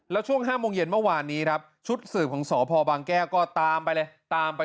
แล้วช่วง๕โมงเย็นเมื่อวานนี้ครับชุดสืบของสพบางแก้วก็ตามไปเลยตามไป